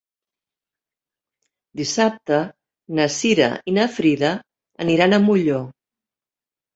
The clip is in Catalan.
Dissabte na Cira i na Frida aniran a Molló.